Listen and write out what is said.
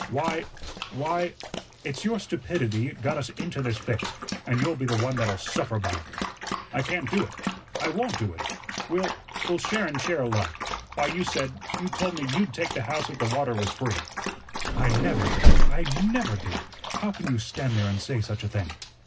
"Why why " "It's your stupidity got us into this fix, and you'll be the one that'll suffer by it." "I can't do it, I WON'T do it. We'll we'll share and share alike. Why, you said you told me you'd take the house if the water was free." "I NEVER did. I NEVER did. How can you stand there and say such a thing?"